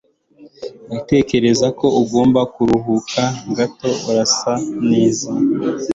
Ndatekereza ko ugomba kuruhuka gato. Urasa neza.